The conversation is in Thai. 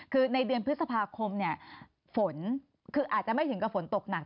คือในเดือนพฤษภาคมเนี่ยฝนคืออาจจะไม่ถึงกับฝนตกหนัก